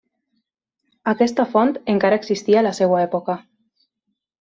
Aquesta font encara existia a la seva època.